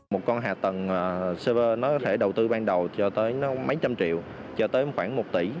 một con hạ tầng server nó có thể đầu tư ban đầu cho tới mấy trăm triệu cho tới khoảng một tỷ